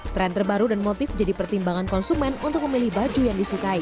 tren terbaru dan motif jadi pertimbangan konsumen untuk memilih baju yang disukai